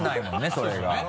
それが。